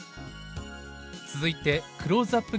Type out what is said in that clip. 続いてクローズアップ